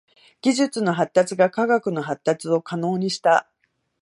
技術の発達が科学の発達を可能にした。